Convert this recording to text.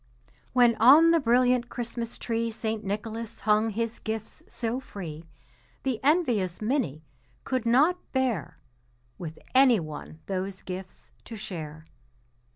When on the brilliant Christmas tree St. Nicholas hung his gifts so free, The envious Minnie could not bear With any one those gifts to share.